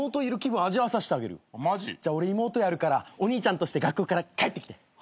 じゃあ俺妹やるからお兄ちゃんとして学校から帰ってきて。